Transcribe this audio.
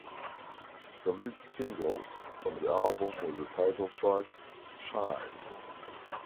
The lead single from the album was the title track, "Shine".